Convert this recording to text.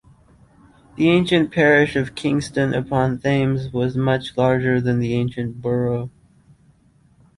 The ancient parish of Kingston-upon-Thames was much larger than the ancient borough.